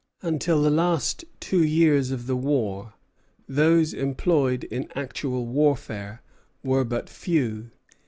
Until the last two years of the war, those employed in actual warfare were but few.